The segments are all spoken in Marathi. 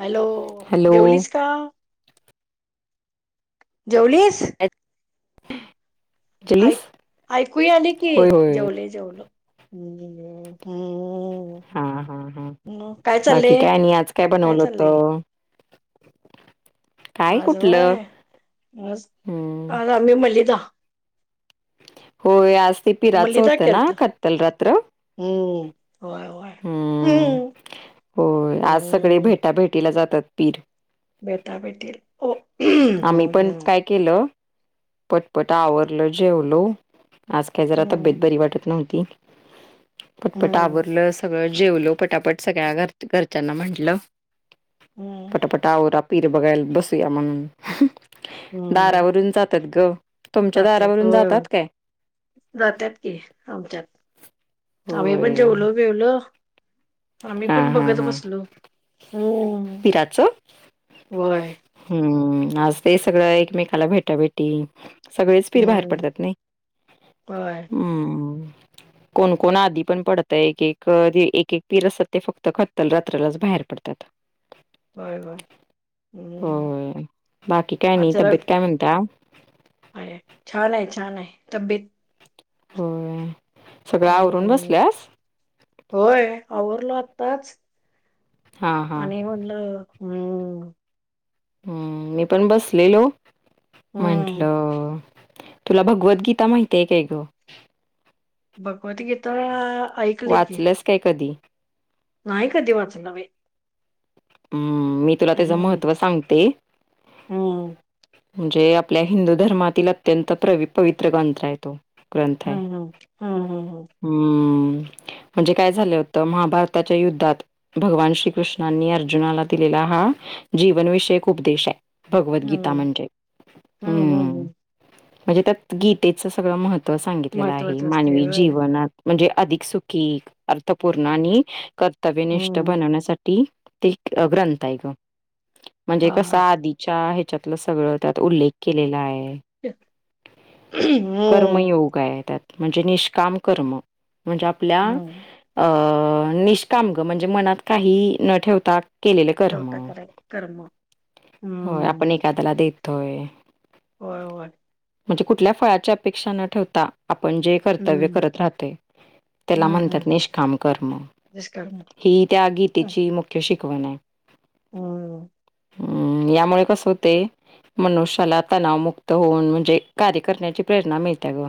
हॅलो हॅलो जेवलीस का जेवलीस ह ऐक ऐकू आले की होय होय जेवले जेवल ह् हा हा हा हा म काय बाकी चाललंय काय आणि आज काय बनवलं चाललंय होतं? काय कुठलं? आजय हम्म आज आम्ही मलिदा होय आज ते पिराचं मलिदा होतं ना केलता खत्तल रात्र हम्म होय वय हो आज सगळे भेटाभेटीला जातात पीर बेताबेटील आम्ही पण काय केलं पटपट आवरलं जेवलो आज काय जरा हम्म तब्येत बरी वाटत नव्हती पटपट हम्म आवरलं सगळं जेवलो पटापट सगळ्या घर घरच्यांना म्हटलं पटापट आवर पीर बघायला बसू या म्हणून हम्म दारावरून जातात ग तुमच्या जात्यात दारावरून होय हो जातात काय? जातात की आमच्यात आम्ही पण होय. जेवलो बेवल आ्ही हां, पण हां, बघत हां. बसलो हो पिराचं? वय हं. आज ते सगळं एकमेकाला भेटा भेटी सगळेच फिर बाहेर पडतात नाही हम्म कोण कोण आधी पण पडतय एक एक एक एक पीर असत ते फक्त खतल रात्रालाच बाहेर पडतात बय बाय हम्म होय. बाकी काय ह नाही. जरा तब्येत काय म्हणता? अ छान आहे छान आहे तब्येत हो हम्म होय आवरवरल च हां, हां. आणि म्हटलं अम हम्म मी पण बसलेलो हं. म्हंटलं तुला भगवद्गीता माहित आहे काय ग भगवत गीता वाचलंस काय कधी नाहीय कध वाचलावे ह् मी तुला त्याचं महत्त्व सांगते हम म्हणजे आपल्या हिंदू धर्मातील अत्यंत पवित्र ग्रंथ आहे तो ग्रंथय हं, हं, हं, हं, हम्म म्हणजे काय झालं होतं महाभारताच्या युद्धात भगवान श्रीकृष्णांनी अर्जुनाला दिलेला हा जीवनविषयक उपदेश आहे हं, भगवद्गीता हं, म्हणजे हं, हं, हम्म हं. म्हणजे त्यात गीतेचं सगळं महत्त्व सांगितलेलं आहे महत्वाचं असते मानवी होय. जीवनात म्हणजे अधिक सुखी अर्थपूर्ण आणि कर्तव्यनिष्ठ हं. बनवण्यासाठी ते ग्रंथ आहे ग म्हणजे हां, कसा हां. आधीच्या त्याच्यातलं सगळं त्यात उल्लेख केलेला आहे हं, हं. कर्मयोगय त्यात म्हणजे निष्काम कर्म म्हणजे आपल्या अ अ निष्कामग म्हणजे मनात काही न ठेवता केलेले कर्म ठवटं कराय कर्म हम्म क त्याला देतोय होर हो णजे कुठल्या फळाची अपेक्षा न ठेवता आपण जे कर्तव्य करत राहते त्याला म्हणतात निष्काम कर्म ही त्या गीतेची मुख्य शिकवण आहे हम् हम्म यामुळे कस होते मनुष्याला तणावमुक्त होऊन म्हणजे कार्य करण्याची प्रेरणा मिळते ग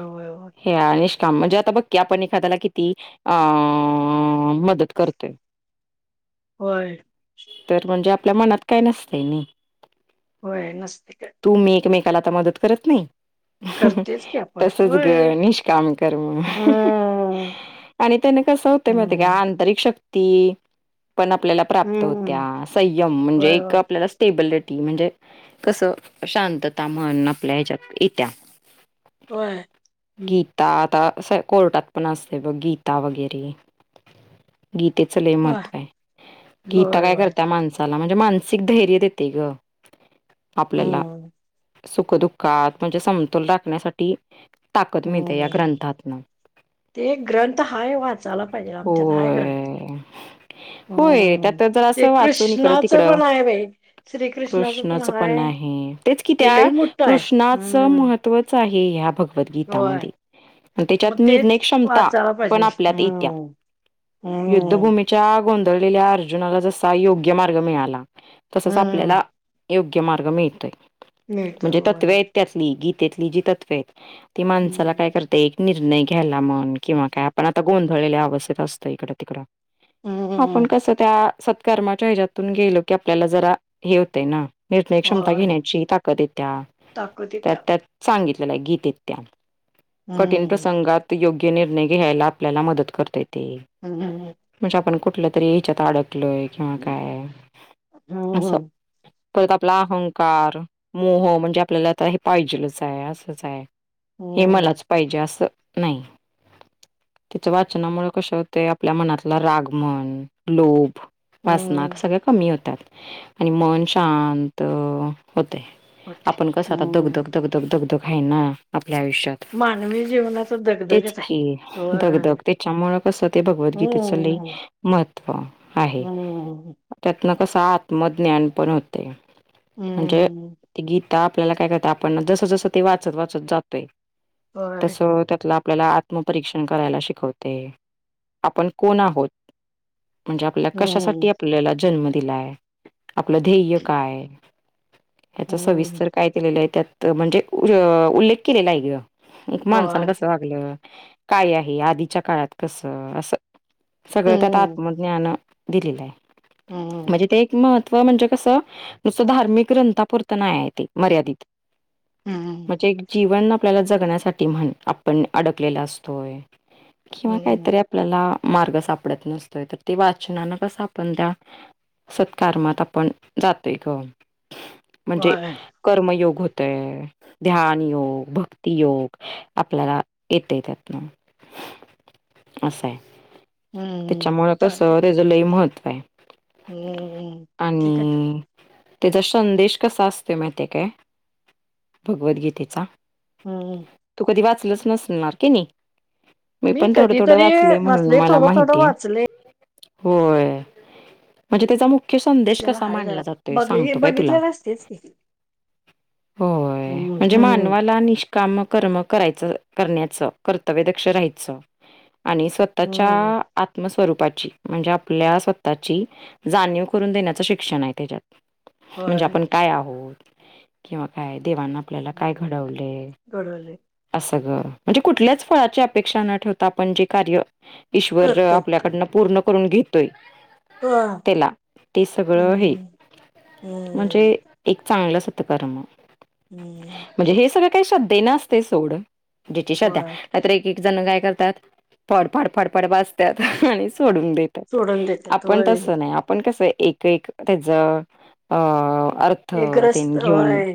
होय होय. ह आणि का म्हणजे आता बघकी आपण एखाद्याला किती अ मदत करतोय [inaudible] होय तर म्हणजे आपल्या मनात काय नसतंय नाही हो नसत का त्याला मदत करत नाही करतेच की आपण. तसच ग होय. निष्काम कर म हम्म. आणि त्याने कस होत म हम्म. आंतरिक शक्ती ती पण आपल्याला प्राप्त होत्या हम्म. संयम म्हणजे होय एक होय. आपल्याला स्टेबल रेट म्हणजे कसं शांतता मन आपल्या हच्यात येत्या हो गीता आता अस कोर्टात पण असते बघ गीता वगैरे गीतेच ल होय. महत्व आहे गीता होय काय होय. करत माणसाला म्हणजे माण सिगध ैर्यत येते ग आपल्याला हम्म. सुखदुःखात म्हणजे समतोल राखण्यासाठी ताकद मिळते या हम्म. ग्रंथातना ते ग्रंथ हाय वाचायला पाहिजे आमच्यात हाय ग्रंथ होय. होय हम्म. त्यात जरा ते असं वाचून इकडं कृष्णाचं तिकडं पण आहे बाई. श्रीकृष्णाचं कृष्णच पण हाय. आहे तेच की ते त्या लई मोठं आहे. कृष्णाचं हम्म. महत्वच आहे क ह बघ होय. गीतामध्ये त्याच्यात मग निर्णय तेच क्षमता वाचायला पण पाहिजे. आपल्यात येत्या हम्म. युद्धभूमीच्या गों ले अर्जुनाला जसा योग्य मार्ग मिळाला तसच आपल्याला योग्य मार्ग मिळतोय म्हणजे तत्वे आहेत त्यातली गीतेतली जी तत्व आहेत ती माणसाला काय करते एक निर्णय घ्यायला म्हण किंवा काय आपण आता गो अवथ असत इड तिकड आपण कस त्या सत्कर्माच्या हच्यातून गेल की आपल्याला जरा हे होतय ना निर्णय क्षमता घेण्याची ताकद येत त्या त्या त्यात सांगित गीेत त्या कठीण प्रसंगात योग्य निर्णय घ्यायला आपल्याला मदत करताेत म्हणजे आपण कुठलं तरी या्याच्यात अडकलोय किंवा काय असस परत आपला अहंकार मोह म्हणजे आपल्याला आता हे पाहिजेलच आहे असंच आहे हे मलाच पाहिजे असं नाही त्यािच्या वाचनामुळे कश होते आपल्या मनातला रागमन लोभ वाचना सगळ कमी होतात आणि मन शांत होते आपण कसं आता हम्म. दगधग दगधग दगधग आहे ना ल्या आयुष्यात मानवी जीवनाचा तेच दगदगच आहे. की गधग होय. त्याच्यामुळ कस ते भगवद्गी हम्म. महव आहे हम्म. कस आत्मज्ञान पण होते म्हणजे हम्म. गी आपल्याला काय करत आपण जस जसं ते वाचत वाचत जातोय होय. तस त्यात आपल्याला आत्मपरीक्षण करायला शिकवते आपण कोण आहोत म्हणजे आपल्या कशासाठी हम्म. आपल्याला जन्म दिलाय आपलं ध्येय काय ह्याचा हम्म. सविस्तर काय केलेलं आहे त्यात म्हणजे उल्लेख केलेला आहे गि एक माणसान होय. कसं वागलं काय आहे आधीच्या काळात कसं अस सगळं त्यात हम्म. आत्मज्ञान दिलेलं आहे हम्म. म्हणजे ते एक मह म्हणजे कसं नुसतं धार्मिक ग्रंथपूरत नाही आहे ते मर्यादित हम्म. म्हणजे एक जीवन आपल्याला जगण्यासाठी म्हण आपण अडकलेला असतोय किंवा हम्म. काहीतरी आपल्याला मार्ग सापडत नसतोय तर ते वाचनान कसं आपण त्या सत्कारमात आपण जातोय ग म्हणजे होय. कर्मयोग होत ध्यान योग भक्तियोग आपल्याला येते त्यातन असे हम्म. त्याच्यामुळे कस त्याच लय महत्व आहे हम्मम् ठीक आहे आणि त्याचा संदेश कसा असतो माहिती काय भगवद्गीतेचा हम्म तू कधी वाच नसणार की नाही मी पण थोडं थोडं कधीतरी वाचले म्हणून मला थोडं थोडं माहिती आहे वाचले होय म्हणजे त्याचा मुख मु्य संदेश त्याला कसा हाय मानला जरा जातोय बघ सांगतो काय तुला. बघितलेलं असतेच की होय हम्म म्हणजे हम्म मानवाला निष्काम कर्म करायच. करण्याच कर्तव्य दक्ष राहायचं आणि स्वतःच्या हम्म आत्मस्वरूप म्हणजे आपल्या स्वतःची जाणीव करून देण्याच शिक्षण आहे त्याच्यात म्हणजे होय आपण काय आहोत किंवा काय देव आपल्या काय घडव. घडवले सगळं म्हणजे कुठल्याच फळाची अपेक्षा न ठेवता आपण जे कार्य ईश्वर करते आपल्याकडनं पूर्ण करून घेतोय. हो त्याला ते सगळं हे हम्म म्हणजे हम्म एक चांगलं सत्कर्म हम्म ते काय श्रद्धे नसते सोड ज्याची श्रद्धा आहे. होय नाहीतर एकेक जण गाय करतात फडफड फडफड वाजतात आणि. सोडून देतात सोडून देतात आपण होय तस. आपण कसं एक एक त्याचा अ अर्थ ते एकग्रस्त घेऊन. होय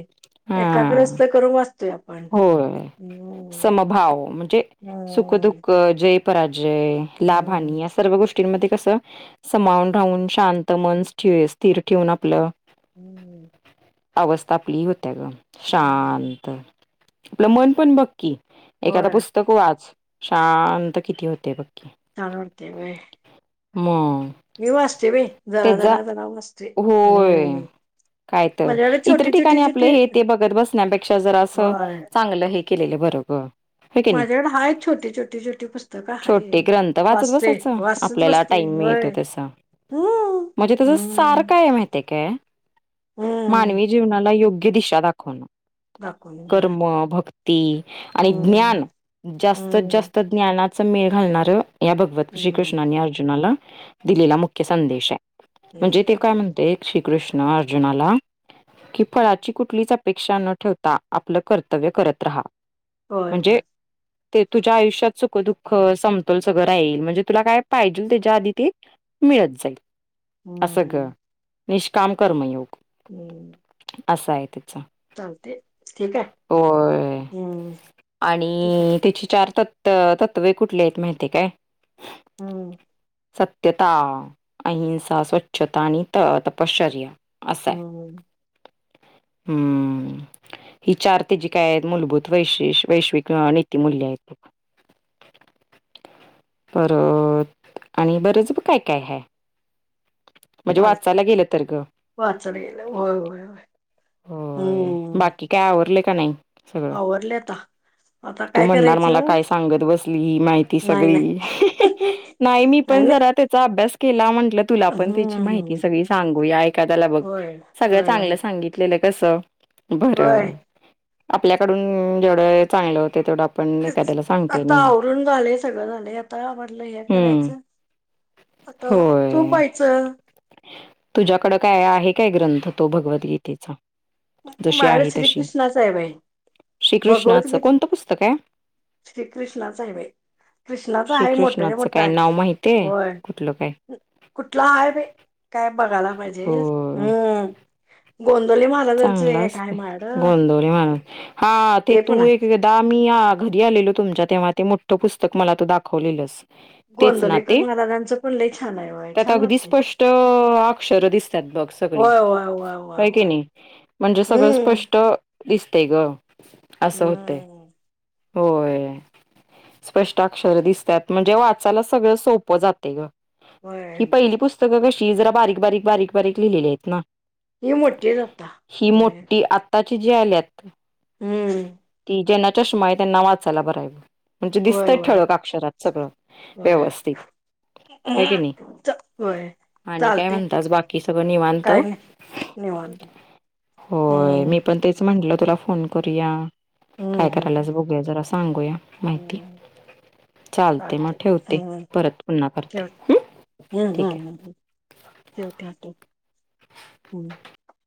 हा एकाग्रस्त करून वाचतोय आपण. होय. समभाव म्हणजे हम्म सुखदुःख जे. पराजय हम्म लाभनी या सर्व गोष्टींमध्ये कस समाून. राहून शांत मन ठे स्थिर ठेवून आपलं. हम्म अवस्था आपली होत्या ग हम्म शांत आपलं मन पण बघकी. एखादा होय पुस्तक वाच शांत किती होते बक्क. छान वाटतये. मग. मी वाचतोय बाई वय जरा त्याचा जरा जरा वाचते होय हम्म. काय तर माझ्याकडे इतर छोटी छोटी ठिकाणी आपलं छोटी हे ते बघत बसण्यापेक्षा जरा असं होय चांगलं हे. केलेलं बरं ग. होय की नाही माझ्याकडे हा हाय छोटी छोटी छोटी पुस्तकं छोटे आहेत वाचते वाचतच बसते. टाईम मिळतो होय तसा. हम्म म्हणजे त्याच सार हम्म. काय माहिते काय हम्म मानवी जीवनाला योग्य. य दिशा दाखवण दाखवून होय कर्म भक्ती आणि हम्म ज्ञान जास्तत हम्म जास्त ज्ञानाच मेळ घालणार. या भगवत हम्म श्रीकृष्णनी अर्जुनाला दिलेला मुख्य संदेश आहे.. म्हणजे ते हम्म. काय म्हणते श्रीकृष्ण अर्जुनाला कि फळाची कुठलीच अपेक्षा न ठेवता आपलं कर्तव्य करत राहा. होय म्हणजे होय. ते तुझ्या आयुष्यात सुख दुःख समतोल सगळं रा येईल म्हणजे तुला काय पाहिजेल त्याच्या आधी ते मिळत जाईल असं हम्म ग निष्काम कर्मयोग. [unintelligible] असं आहे ते. चालते. ठीक आहे. होय हम्म ठीक आहे आणि तिची चार तत. तर तत्त्व कुठले आहेत माहिती काय? हम्म सत्यता अहिंसा स्वच्छता आणि त तपश्चर्या असं आहे. हम्म हम्म ही चार तेजी काय मूलभूत वैशि वैश्विक नीतीमूल्य आहेत. [inaudible] परत आणि बरंच काय काय हाय. म्हणजे चालते वाचायला गेलं तर ग. वाचलं गेलं व्हाय व्हाय. होय बाकी काय आवरले का नाही? सगळं? आवर लेता. तू म्हणणार मला काय सांगत बसली माहिती नाही सगळी. नाही ही ही नाही मी पण नाही. जरा त्याचा अभ्यास- केला म्हंटलं तुला पण त्याची माहिती हम्म सगळी सांगूया एखादाला बघ होय सगळं होय चांगलं सांगित- केलं कसा बर होय आपल्याकडून जेवढ चांगलं तेव- आता आवरून झालेय सगळं झालं आता आवडलं हे हम्म करायचं- आता तू होय. पाहिच- तुझ्याकडं काय आहे काय ग्रंथ तो भगवत गीता चा? माळ श्री कृष्णा साहेब ये. श्रीकृष्णाचं कोणतं पुस्तक आहे? श्री कृष्णाचा आहे बाई. कृष्णाचा आहे मोठा च श्रीकृष्णाचं मोठा काय आहे. नाव माहितीय? होय कुठलं काय कुठला आहे म काय बघायला पाहिजे. जेस हो हम्म गो- चांगलं असते. गोंदोळी म्हारून ह- हा ते पण तू आहे एक एकदा मी आ घरी आलेलो तुमच्या तेव्हा ते मोठं पुस्तक मला तू दाखवलेलंस- तेच गोंदवलेकर नाते महाराजांचं पण लय छान आहे होय त्यात छान अगदी वाटते स्पष्ट अक्षर दिसतात. बघ सगळी होय होय होय होय हाय की होय नाही. म्हणजे सगळं हम्म स्पष्ट दिसते ग. असं होतंय- हम्म होय स्पष्टाक्षर दिसतात म्हणजे वाचायला सगळं सोपं जाते ग- होय ही पहिली पुस्तकं कशी जरा बारीक बारीक बारीक बारीक लिहिलेली आहेत ना. ही मोठ्ठी जाता- ही मोठी आताची जी आल्यात हम्म त ज- चष्मा आहे त्यांना वाचायला बरं - म्हणजे होय दिसतंय होय ठळक अक्षरात सगळं होय व्यवस्थित. होय की नाही. च बर. आणि काय म्हणतात? बाकी सगळं निवांत. काय नाही निवांत होय मी हम्म पण तेच म्हटलं तुला फोन करूया हम्म काय हम्म करायलाच बघूया जर अस- सांगूया. माहिती हम्म. चालते मग आटी ठेवते हम् परत पुन्हा ठव करते हम्म ठीक आहे. हम्म हम् हम. ते ठाक हम्म.